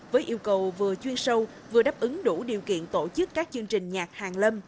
với yêu cầu vừa chuyên sâu vừa đáp ứng đủ điều kiện tổ chức các chương trình nhạc hàng lâm